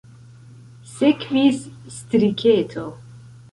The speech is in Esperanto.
Sekvis striketo.